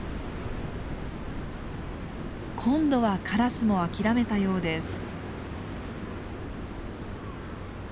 今度はカラスも諦めたようです。